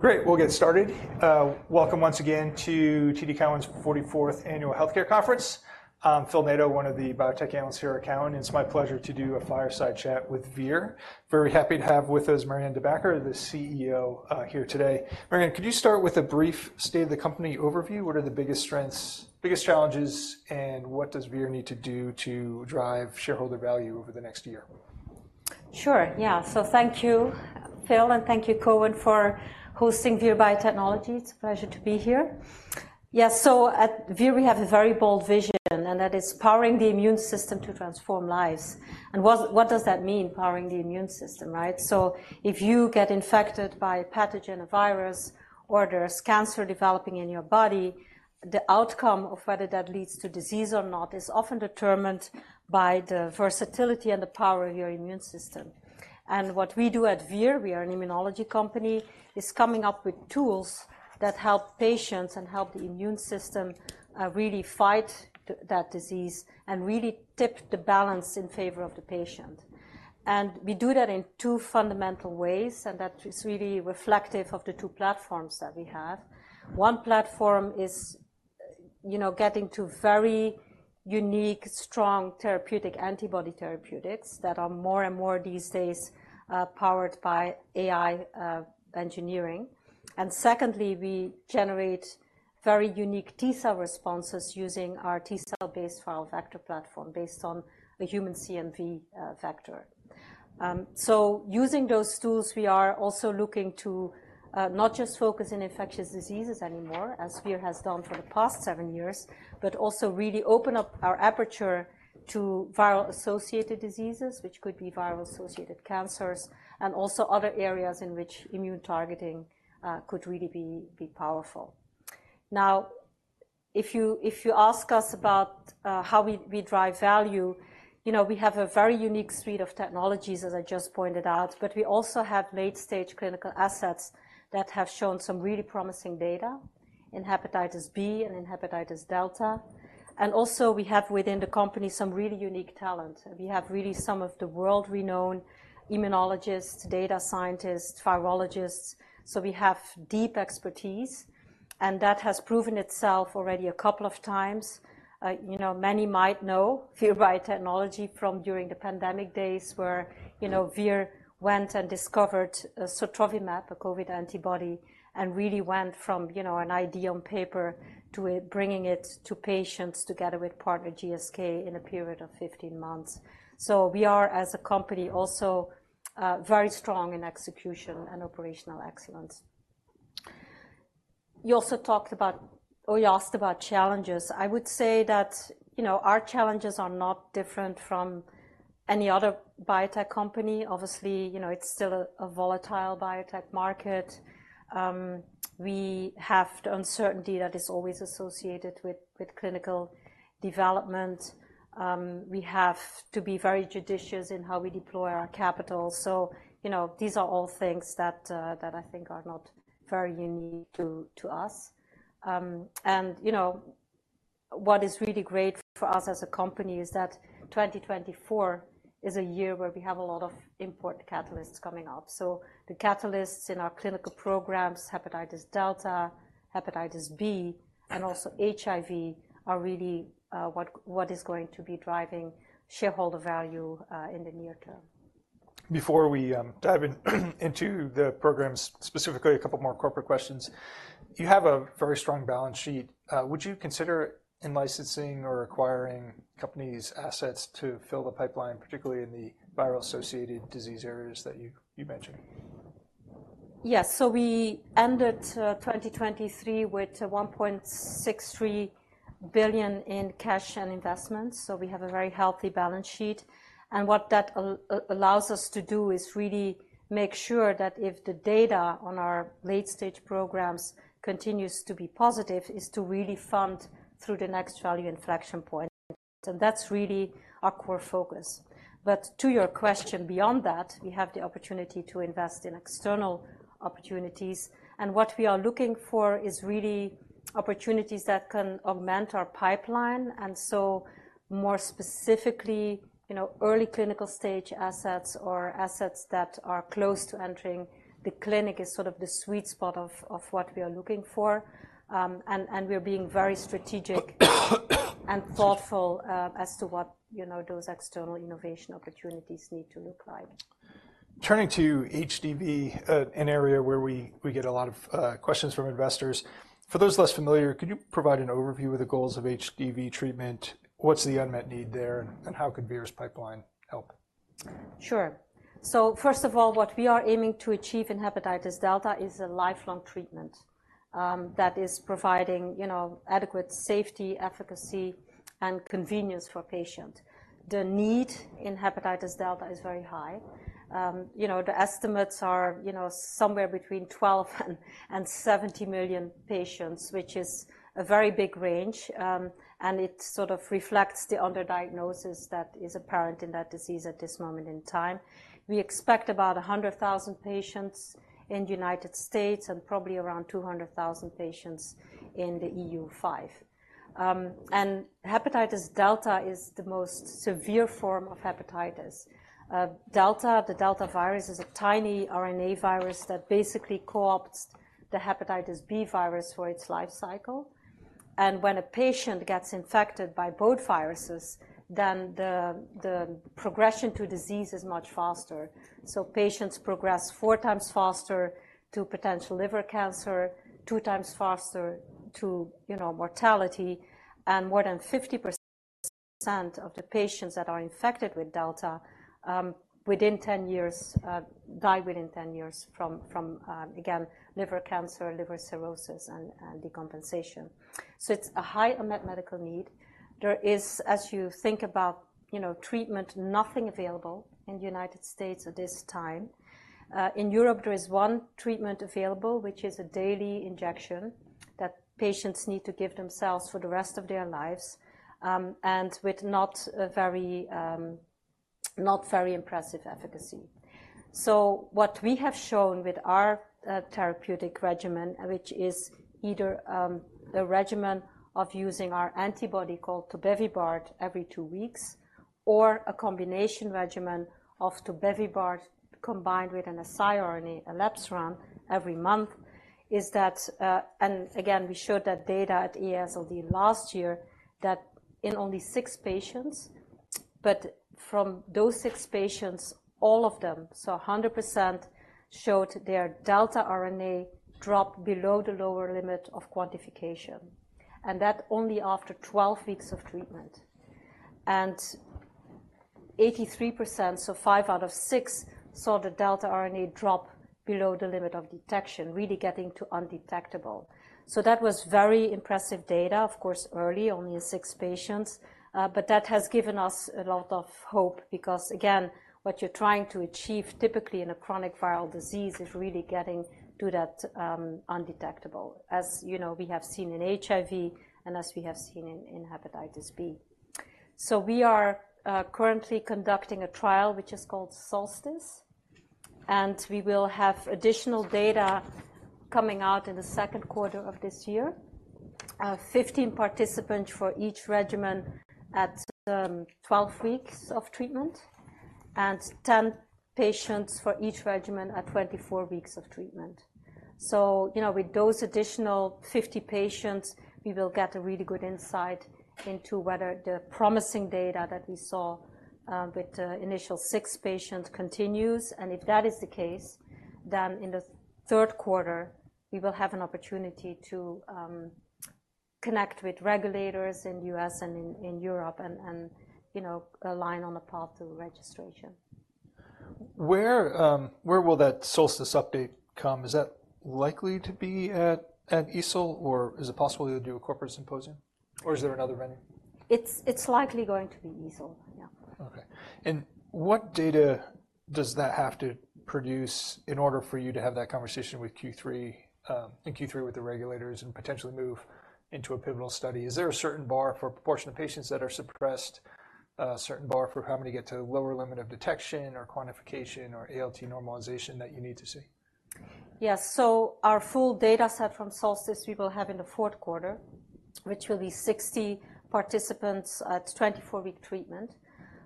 Great. We'll get started. Welcome once again to TD Cowen's 44th Annual Health Care Conference. I'm Phil Nadeau, one of the biotech analysts here at Cowen, and it's my pleasure to do a fireside chat with Vir. Very happy to have with us Marianne De Backer, the CEO, here today. Marianne, could you start with a brief state-of-the-company overview? What are the biggest strengths, biggest challenges, and what does Vir need to do to drive shareholder value over the next year? Sure. Yeah. So thank you, Phil, and thank you, Cowen, for hosting Vir Biotechnology. It's a pleasure to be here. Yeah. So at Vir, we have a very bold vision, and that is powering the immune system to transform lives. And what does that mean, powering the immune system, right? So if you get infected by a pathogen, a virus, or there's cancer developing in your body, the outcome of whether that leads to disease or not is often determined by the versatility and the power of your immune system. And what we do at Vir—we are an immunology company—is coming up with tools that help patients and help the immune system really fight that disease and really tip the balance in favor of the patient. And we do that in two fundamental ways, and that is really reflective of the two platforms that we have. One platform is, you know, getting to very unique, strong therapeutic antibody therapeutics that are more and more these days powered by AI engineering. And secondly, we generate very unique T-cell responses using our T-cell-based viral vector platform based on a human CMV vector. So using those tools, we are also looking to not just focus on infectious diseases anymore, as Vir has done for the past seven years, but also really open up our aperture to viral-associated diseases, which could be viral-associated cancers, and also other areas in which immune targeting could really be powerful. Now, if you ask us about how we drive value, you know, we have a very unique suite of technologies, as I just pointed out, but we also have late-stage clinical assets that have shown some really promising data in hepatitis B and in hepatitis delta. Also we have, within the company, some really unique talent. We have really some of the world-renowned immunologists, data scientists, virologists. We have deep expertise, and that has proven itself already a couple of times. You know, many might know Vir Biotechnology from during the pandemic days where, you know, Vir went and discovered sotrovimab, a COVID antibody, and really went from, you know, an idea on paper to bringing it to patients together with partner GSK in a period of 15 months. We are, as a company, also very strong in execution and operational excellence. You also talked about or you asked about challenges. I would say that, you know, our challenges are not different from any other biotech company. Obviously, you know, it's still a volatile biotech market. We have the uncertainty that is always associated with clinical development. We have to be very judicious in how we deploy our capital. You know, these are all things that I think are not very unique to us. You know, what is really great for us as a company is that 2024 is a year where we have a lot of important catalysts coming up. The catalysts in our clinical programs, hepatitis delta, hepatitis B, and also HIV, are really what is going to be driving shareholder value in the near term. Before we dive into the programs specifically, a couple more corporate questions. You have a very strong balance sheet. Would you consider licensing or acquiring companies' assets to fill the pipeline, particularly in the viral-associated disease areas that you mentioned? Yes. So we ended 2023 with $1.63 billion in cash and investments. So we have a very healthy balance sheet. And what that allows us to do is really make sure that if the data on our late-stage programs continues to be positive, it's to really fund through the next value inflection point. And that's really our core focus. But to your question, beyond that, we have the opportunity to invest in external opportunities. And what we are looking for is really opportunities that can augment our pipeline. And so more specifically, you know, early clinical stage assets or assets that are close to entering the clinic is sort of the sweet spot of what we are looking for. And we are being very strategic and thoughtful as to what, you know, those external innovation opportunities need to look like. Turning to HDV, an area where we get a lot of questions from investors. For those less familiar, could you provide an overview of the goals of HDV treatment? What's the unmet need there, and how could Vir's pipeline help? Sure. So first of all, what we are aiming to achieve in hepatitis delta is a lifelong treatment that is providing, you know, adequate safety, efficacy, and convenience for patients. The need in hepatitis delta is very high. You know, the estimates are, you know, somewhere between 12 million and 70 million patients, which is a very big range. And it sort of reflects the underdiagnosis that is apparent in that disease at this moment in time. We expect about 100,000 patients in the United States and probably around 200,000 patients in the EU5. And hepatitis delta is the most severe form of hepatitis. Delta, the delta virus, is a tiny RNA virus that basically co-ops the hepatitis B virus for its life cycle. And when a patient gets infected by both viruses, then the progression to disease is much faster. So patients progress four times faster to potential liver cancer, two times faster to, you know, mortality. And more than 50% of the patients that are infected with delta within 10 years die within 10 years from, again, liver cancer, liver cirrhosis, and decompensation. So it's a high unmet medical need. There is, as you think about, you know, treatment, nothing available in the United States at this time. In Europe, there is one treatment available, which is a daily injection that patients need to give themselves for the rest of their lives and with not very impressive efficacy. So what we have shown with our therapeutic regimen, which is either a regimen of using our antibody called tobevibart every two weeks or a combination regimen of tobevibart combined with an siRNA, elebsiran, every month, is that, and again, we showed that data at EASL last year that in only six patients but from those six patients, all of them, so 100%, showed their delta RNA drop below the lower limit of quantification, and that only after 12 weeks of treatment. 83%, so five out of six, saw the delta RNA drop below the limit of detection, really getting to undetectable. So that was very impressive data, of course, early, only in six patients. But that has given us a lot of hope because, again, what you're trying to achieve typically in a chronic viral disease is really getting to that undetectable, as, you know, we have seen in HIV and as we have seen in hepatitis B. So we are currently conducting a trial, which is called SOLSTICE. And we will have additional data coming out in the second quarter of this year, 15 participants for each regimen at 12 weeks of treatment and 10 patients for each regimen at 24 weeks of treatment. So, you know, with those additional 50 patients, we will get a really good insight into whether the promising data that we saw with the initial six patients continues. If that is the case, then in the third quarter, we will have an opportunity to connect with regulators in the U.S. and in Europe and, you know, align on a path to registration. Where will that SOLSTICE update come? Is that likely to be at EASL, or is it possible you'll do a corporate symposium, or is there another venue? It's likely going to be EASL. Yeah. OK. What data does that have to produce in order for you to have that conversation with Q3 in Q3 with the regulators and potentially move into a pivotal study? Is there a certain bar for a proportion of patients that are suppressed, a certain bar for how many get to the lower limit of detection or quantification or ALT normalization that you need to see? Yes. So our full data set from SOLSTICE we will have in the fourth quarter, which will be 60 participants at 24-week treatment.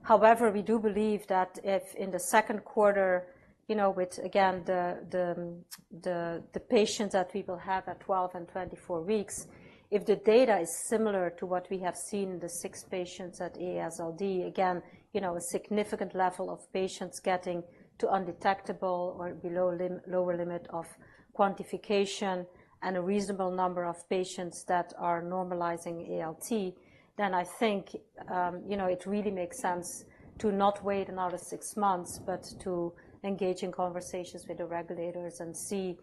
However, we do believe that if in the second quarter, you know, with, again, the patients that we will have at 12 and 24 weeks, if the data is similar to what we have seen in the six patients at AASLD, again, you know, a significant level of patients getting to undetectable or below lower limit of quantification and a reasonable number of patients that are normalizing ALT, then I think, you know, it really makes sense to not wait another six months but to engage in conversations with the regulators and see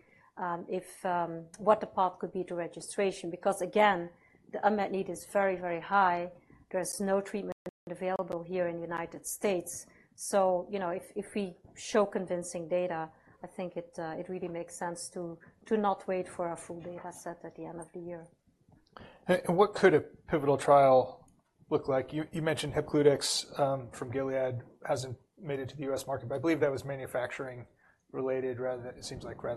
what the path could be to registration. Because, again, the unmet need is very, very high. There is no treatment available here in the United States. So, you know, if we show convincing data, I think it really makes sense to not wait for our full data set at the end of the year. What could a pivotal trial look like? You mentioned Hepcludex from Gilead hasn't made it to the U.S. market, but I believe that was manufacturing-related rather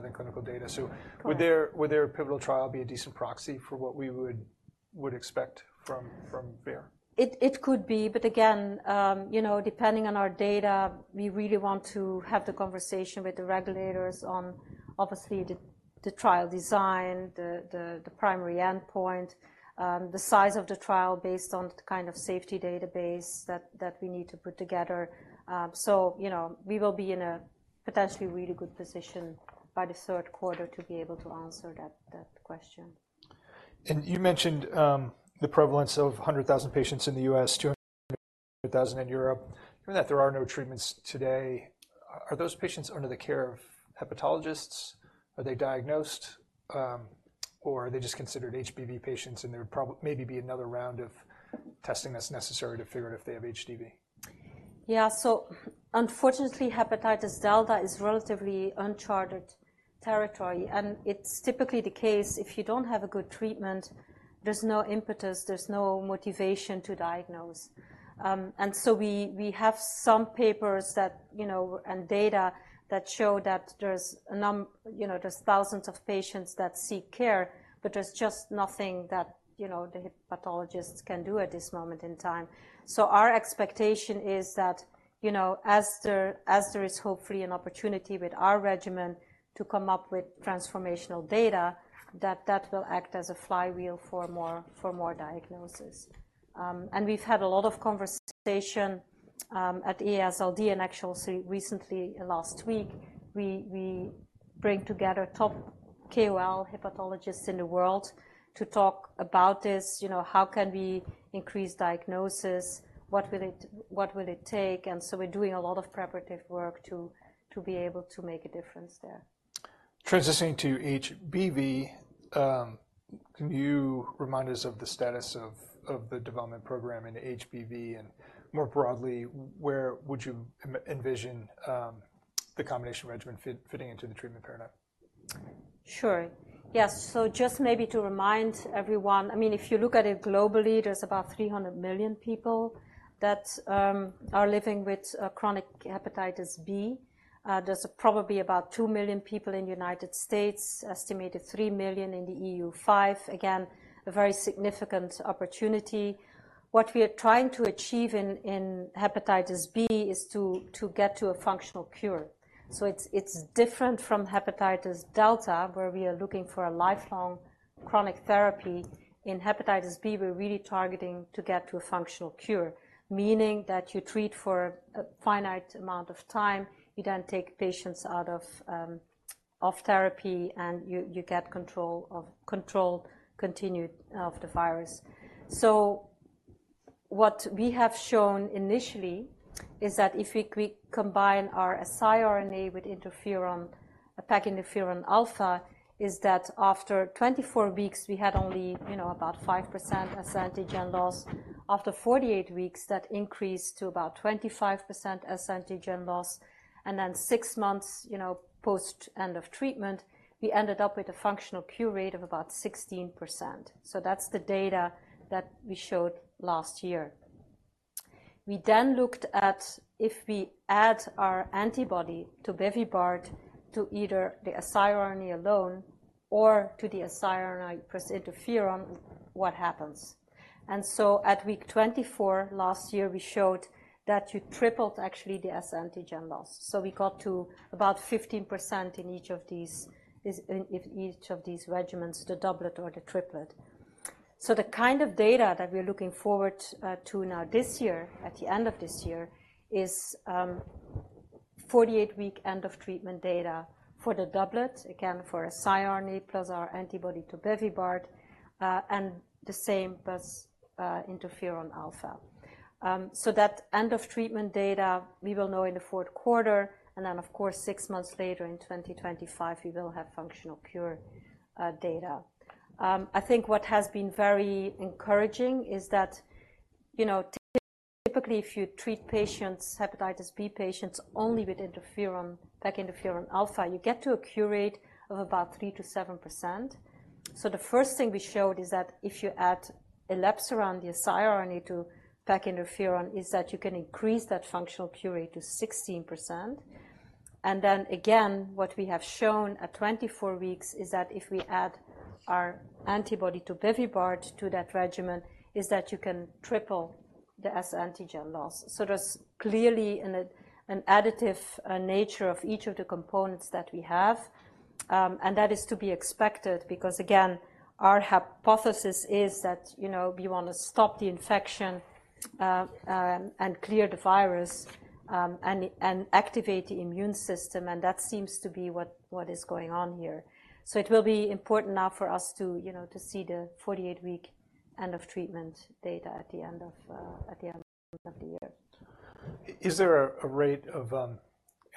than clinical data. So would a pivotal trial be a decent proxy for what we would expect from Vir? It could be. But again, you know, depending on our data, we really want to have the conversation with the regulators on, obviously, the trial design, the primary endpoint, the size of the trial based on the kind of safety database that we need to put together. So, you know, we will be in a potentially really good position by the third quarter to be able to answer that question. You mentioned the prevalence of 100,000 patients in the U.S., 200,000 in Europe. Given that there are no treatments today, are those patients under the care of hepatologists? Are they diagnosed, or are they just considered HBV patients, and there would probably maybe be another round of testing that's necessary to figure out if they have HDV? Yeah. So unfortunately, hepatitis delta is relatively uncharted territory. And it's typically the case if you don't have a good treatment, there's no impetus, there's no motivation to diagnose. And so we have some papers that, you know, and data that show that there's a number, you know, there's thousands of patients that seek care, but there's just nothing that, you know, the hepatologists can do at this moment in time. So our expectation is that, you know, as there is hopefully an opportunity with our regimen to come up with transformational data, that that will act as a flywheel for more diagnosis. And we've had a lot of conversation at AASLD, and actually recently, last week, we bring together top KOL hepatologists in the world to talk about this, you know, how can we increase diagnosis, what will it take. We're doing a lot of preparative work to be able to make a difference there. Transitioning to HBV, can you remind us of the status of the development program in HBV, and more broadly, where would you envision the combination regimen fitting into the treatment paradigm? Sure. Yes. So just maybe to remind everyone, I mean, if you look at it globally, there's about 300 million people that are living with chronic hepatitis B. There's probably about two million people in the United States, estimated three million in the EU5, again, a very significant opportunity. What we are trying to achieve in hepatitis B is to get to a functional cure. So it's different from hepatitis delta, where we are looking for a lifelong chronic therapy. In hepatitis B, we're really targeting to get to a functional cure, meaning that you treat for a finite amount of time. You then take patients out of therapy, and you get continued control of the virus. So what we have shown initially is that if we combine our siRNA with interferon, pegylated interferon alpha, is that after 24 weeks, we had only, you know, about 5% HBsAg loss. After 48 weeks, that increased to about 25% HBsAg loss. And then six months, you know, post-end of treatment, we ended up with a functional cure rate of about 16%. So that's the data that we showed last year. We then looked at if we add our antibody, tobevibart, to either the siRNA alone or to the siRNA plus interferon, what happens. And so at week 24 last year, we showed that you tripled, actually, the HBsAg loss. So we got to about 15% in each of these regimens, the doublet or the triplet. So the kind of data that we're looking forward to now this year, at the end of this year, is 48-week end-of-treatment data for the doublet, again, for a siRNA plus our antibody, tobevibart, and the same plus interferon alpha. So that end-of-treatment data, we will know in the fourth quarter. And then, of course, six months later, in 2025, we will have functional cure data. I think what has been very encouraging is that, you know, typically if you treat patients, hepatitis B patients, only with interferon, pegylated interferon alpha, you get to a cure rate of about 3%-7%. So the first thing we showed is that if you add elebsiran, the siRNA, to pegylated interferon, is that you can increase that functional cure rate to 16%. And then, again, what we have shown at 24 weeks is that if we add our antibody, tobevibart, to that regimen, is that you can triple the S-antigen loss. So there's clearly an additive nature of each of the components that we have. And that is to be expected because, again, our hypothesis is that, you know, we want to stop the infection and clear the virus and activate the immune system. And that seems to be what is going on here. So it will be important now for us to, you know, to see the 48-week end-of-treatment data at the end of the year. Is there a rate of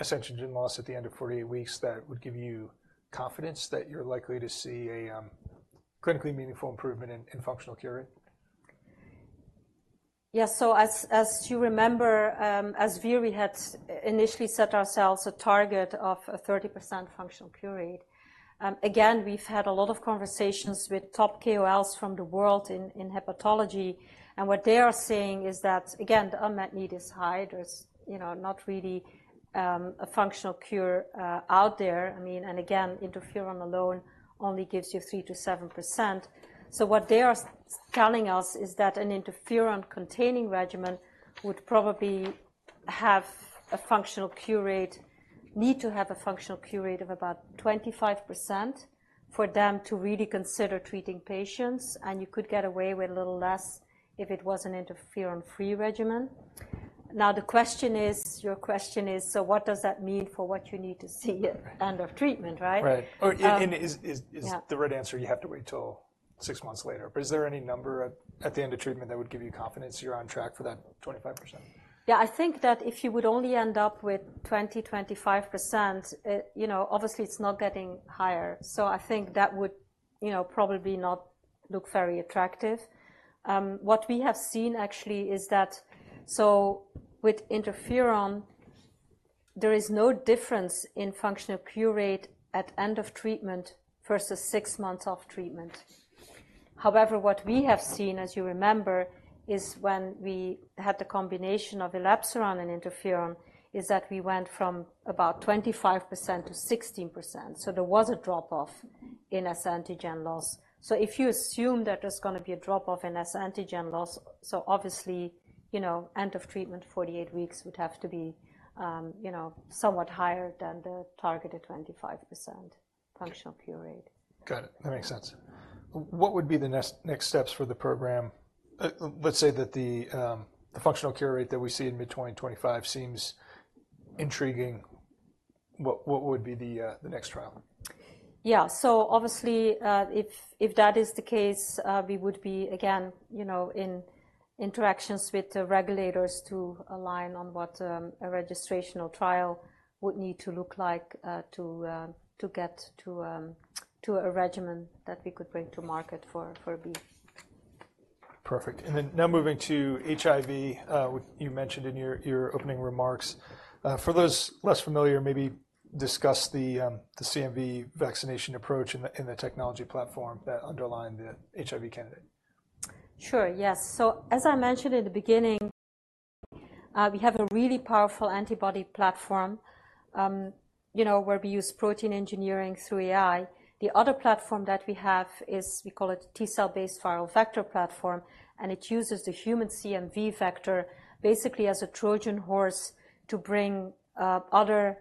HBsAg loss at the end of 48 weeks that would give you confidence that you're likely to see a clinically meaningful improvement in functional cure rate? Yes. So as you remember, as Vir, we had initially set ourselves a target of a 30% functional cure rate. Again, we've had a lot of conversations with top KOLs from the world in hepatology. And what they are saying is that, again, the unmet need is high. There's, you know, not really a functional cure out there. I mean, and again, interferon alone only gives you 3%-7%. So what they are telling us is that an interferon-containing regimen would probably have a functional cure rate, need to have a functional cure rate of about 25% for them to really consider treating patients. And you could get away with a little less if it was an interferon-free regimen. Now, the question is your question is, so what does that mean for what you need to see at end of treatment, right? Right. And is the right answer? You have to wait till six months later. But is there any number at the end of treatment that would give you confidence you're on track for that 25%? Yeah. I think that if you would only end up with 20%, 25%, you know, obviously, it's not getting higher. So I think that would, you know, probably not look very attractive. What we have seen, actually, is that so with interferon, there is no difference in functional cure rate at end of treatment versus six months off treatment. However, what we have seen, as you remember, is when we had the combination of elebsiran and interferon, is that we went from about 25% to 16%. So there was a drop-off in HBsAg loss. So if you assume that there's going to be a drop-off in HBsAg loss, so obviously, you know, end of treatment, 48 weeks, would have to be, you know, somewhat higher than the targeted 25% functional cure rate. Got it. That makes sense. What would be the next steps for the program? Let's say that the functional cure rate that we see in mid-2025 seems intriguing. What would be the next trial? Yeah. So obviously, if that is the case, we would be, again, you know, in interactions with the regulators to align on what a registrational trial would need to look like to get to a regimen that we could bring to market for B. Perfect. And then now moving to HIV, which you mentioned in your opening remarks. For those less familiar, maybe discuss the CMV vaccination approach and the technology platform that underlie the HIV candidate. Sure. Yes. So as I mentioned in the beginning, we have a really powerful antibody platform, you know, where we use protein engineering through AI. The other platform that we have is we call it T-cell-based viral vector platform. And it uses the human CMV vector basically as a Trojan horse to bring other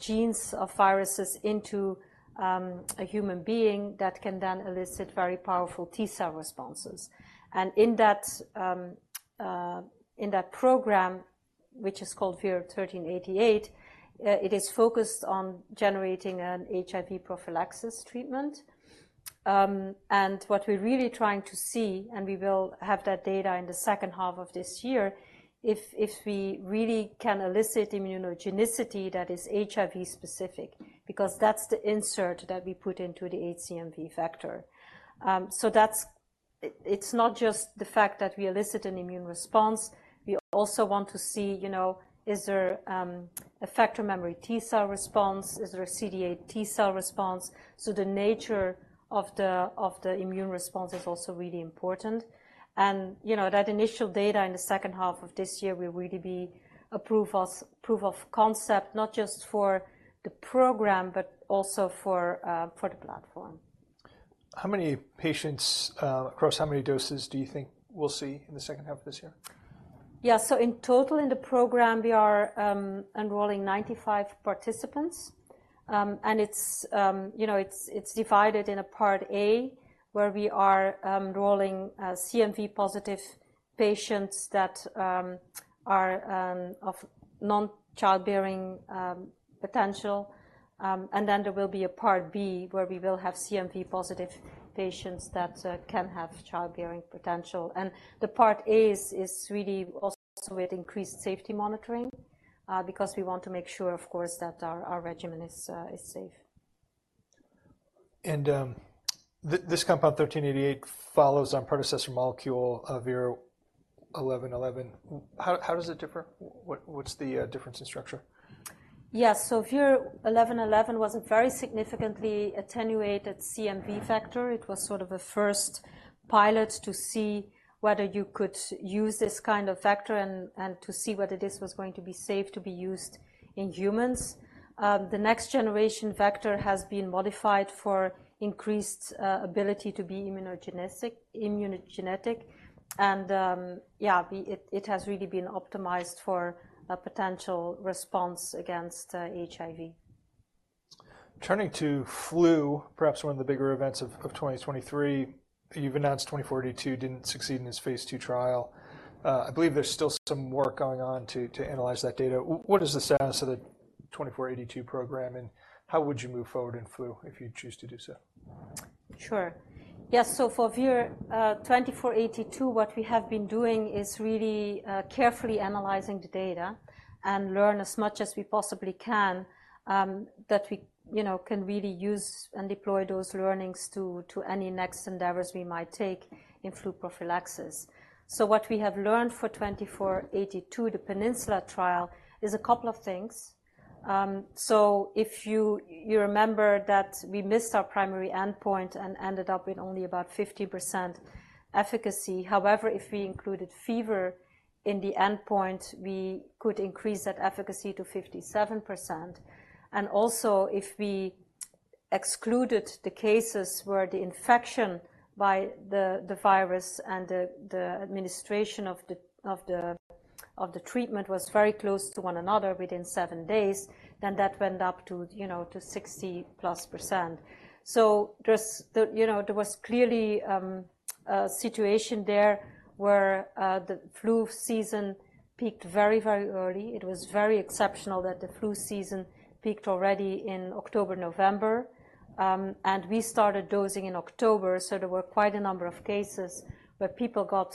genes of viruses into a human being that can then elicit very powerful T-cell responses. And in that program, which is called VIR-1388, it is focused on generating an HIV prophylaxis treatment. And what we're really trying to see, and we will have that data in the second half of this year, if we really can elicit immunogenicity that is HIV-specific because that's the insert that we put into the HCMV vector. So that's it's not just the fact that we elicit an immune response. We also want to see, you know, is there an effector memory T-cell response? Is there a CD8 T-cell response? So the nature of the immune response is also really important. And, you know, that initial data in the second half of this year will really be a proof of concept, not just for the program but also for the platform. How many patients across how many doses do you think we'll see in the second half of this year? Yeah. So in total, in the program, we are enrolling 95 participants. And it's, you know, it's divided in a Part A, where we are enrolling CMV-positive patients that are of non-childbearing potential. And then there will be a Part B, where we will have CMV-positive patients that can have childbearing potential. And the Part A is really also with increased safety monitoring because we want to make sure, of course, that our regimen is safe. This compound VIR-1388 follows our predecessor molecule, VIR-1111. How does it differ? What's the difference in structure? Yes. So VIR-1111 was a very significantly attenuated CMV vector. It was sort of a first pilot to see whether you could use this kind of vector and to see whether this was going to be safe to be used in humans. The next generation vector has been modified for increased ability to be immunogenic. And yeah, it has really been optimized for a potential response against HIV. Turning to flu, perhaps one of the bigger events of 2023, you've announced 2482 didn't succeed in its phase II trial. I believe there's still some work going on to analyze that data. What is the status of the 2482 program? And how would you move forward in flu if you choose to do so? Sure. Yes. So for VIR-2482, what we have been doing is really carefully analyzing the data and learn as much as we possibly can that we, you know, can really use and deploy those learnings to any next endeavors we might take in flu prophylaxis. So what we have learned for VIR-2482, the PENINSULA trial, is a couple of things. So if you remember that we missed our primary endpoint and ended up with only about 50% efficacy. However, if we included fever in the endpoint, we could increase that efficacy to 57%. And also, if we excluded the cases where the infection by the virus and the administration of the treatment was very close to one another within seven days, then that went up to, you know, to 60%+ percent. So there's, you know, there was clearly a situation there where the flu season peaked very, very early. It was very exceptional that the flu season peaked already in October, November. And we started dosing in October. So there were quite a number of cases where people got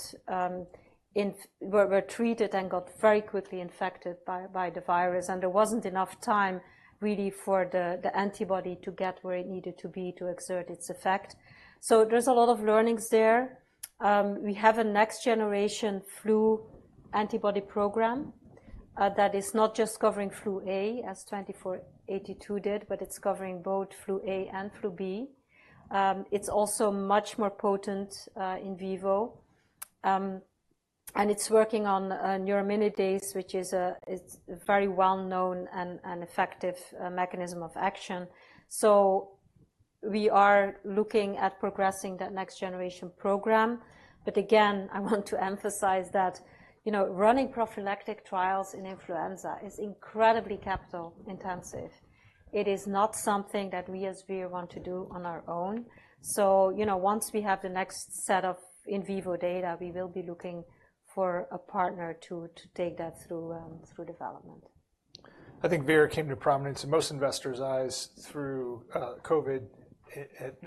in, were treated and got very quickly infected by the virus. And there wasn't enough time really for the antibody to get where it needed to be to exert its effect. So there's a lot of learnings there. We have a next generation flu antibody program that is not just covering flu A as VIR-2482 did, but it's covering both flu A and flu B. It's also much more potent in vivo. And it's working on neuraminidase, which is a very well-known and effective mechanism of action. So we are looking at progressing that next generation program. But again, I want to emphasize that, you know, running prophylactic trials in influenza is incredibly capital-intensive. It is not something that we as Vir want to do on our own. So, you know, once we have the next set of in vivo data, we will be looking for a partner to take that through development. I think Vir came to prominence in most investors' eyes through COVID,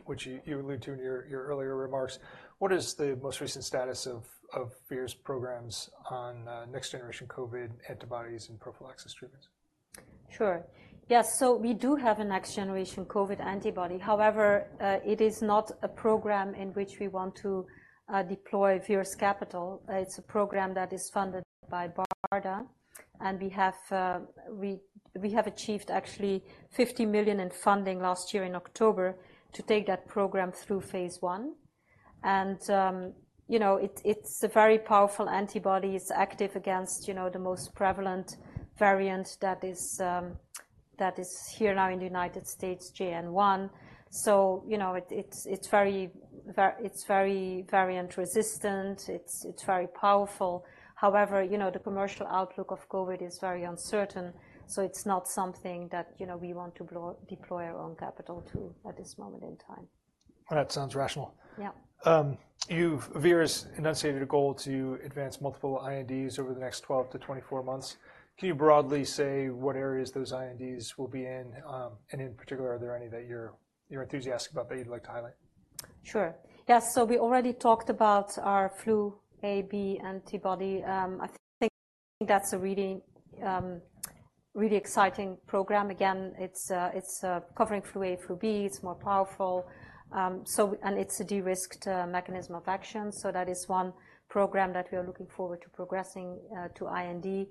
which you alluded to in your earlier remarks. What is the most recent status of Vir's programs on next generation COVID antibodies and prophylaxis treatments? Sure. Yes. So we do have a next generation COVID antibody. However, it is not a program in which we want to deploy Vir's capital. It's a program that is funded by BARDA. And we have achieved, actually, $50 million in funding last year in October to take that program through phase I. And, you know, it's a very powerful antibody. It's active against, you know, the most prevalent variant that is here now in the United States, JN.1. So, you know, it's very variant resistant. It's very powerful. However, you know, the commercial outlook of COVID is very uncertain. So it's not something that, you know, we want to deploy our own capital to at this moment in time. Well, that sounds rational. Yeah. Vir has enunciated a goal to advance multiple INDs over the next 12-24 months. Can you broadly say what areas those INDs will be in? And in particular, are there any that you're enthusiastic about that you'd like to highlight? Sure. Yes. So we already talked about our flu A, B antibody. I think that's a really, really exciting program. Again, it's covering flu A, flu B. It's more powerful. And it's a de-risked mechanism of action. So that is one program that we are looking forward to progressing to IND.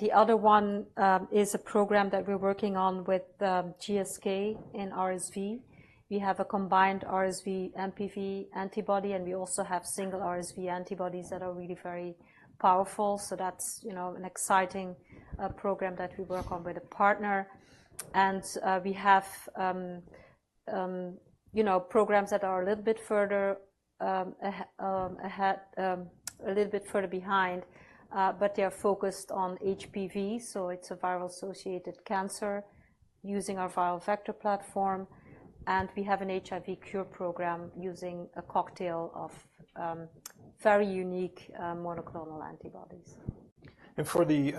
The other one is a program that we're working on with GSK in RSV. We have a combined RSV MPV antibody. And we also have single RSV antibodies that are really very powerful. So that's, you know, an exciting program that we work on with a partner. And we have, you know, programs that are a little bit further ahead, a little bit further behind. But they are focused on HPV. So it's a viral-associated cancer using our viral vector platform. And we have an HIV cure program using a cocktail of very unique monoclonal antibodies. For the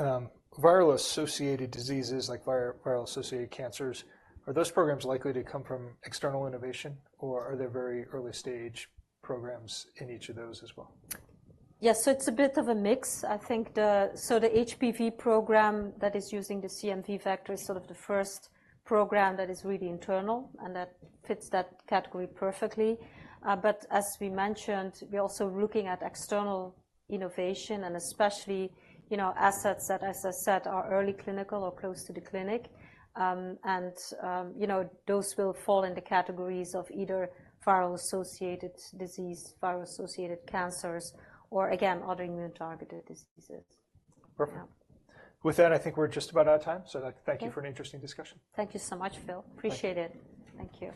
viral-associated diseases like viral-associated cancers, are those programs likely to come from external innovation? Or are there very early-stage programs in each of those as well? Yes. So it's a bit of a mix, I think. So the HPV program that is using the CMV vector is sort of the first program that is really internal. And that fits that category perfectly. But as we mentioned, we're also looking at external innovation and especially, you know, assets that, as I said, are early clinical or close to the clinic. And, you know, those will fall in the categories of either viral-associated disease, viral-associated cancers, or, again, other immune-targeted diseases. Perfect. With that, I think we're just about out of time. So thank you for an interesting discussion. Thank you so much, Phil. Appreciate it. Thank you.